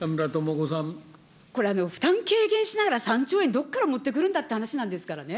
これ、負担軽減しながら３兆円どこから持ってくるんだっていう話ですからね。